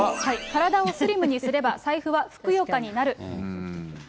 体をスリムにすれば、財布はふくよかになる。